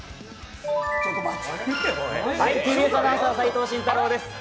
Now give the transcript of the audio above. ＴＢＳアナウンサー・齋藤慎太郎です。